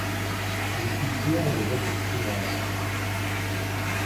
Je suis fier de votre courage...